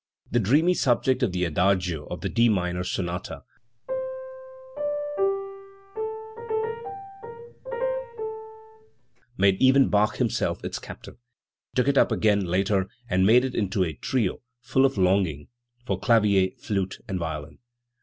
The dreamy sub ject of the adagio of the D minor sonata made even Bach himself its captive ; he took it up again later and made it into a trio, full of longing, for clavier, flute and violin*.